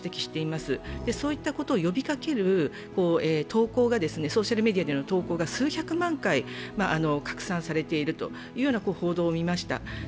そういったことを呼びかけるソーシャルメディアでの投稿が数百万回拡散されているという報道を見ました。